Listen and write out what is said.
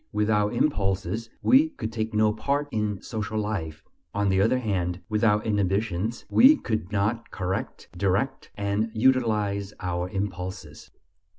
Without impulses we could take no part in social life; on the other hand, without inhibitions we could not correct, direct, and utilize our impulses.